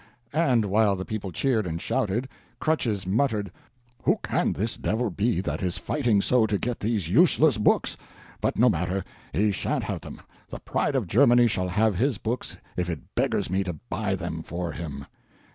And while the people cheered and shouted, "Crutches" muttered, "Who can this devil be that is fighting so to get these useless books? But no matter, he sha'n't have them. The pride of Germany shall have his books if it beggars me to buy them for him."